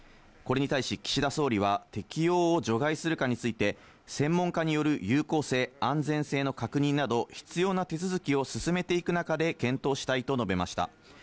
これに対し、岸田総理は適用を除外するかについて、専門家による有効性、安全性の確認など、必要な手続きを進めていく中で検討したいと述べました。